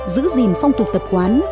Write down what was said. giữ gìn phong tục tập quán